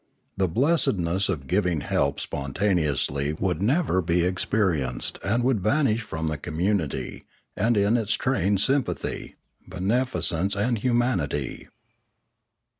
The blessedness of giving help spontaneously would never be experi enced and would vanish from the community, and in its train sympathy, beneficence, humanity.